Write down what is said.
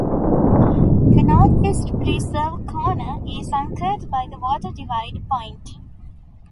The northeast preserve corner is anchored by the water divide point.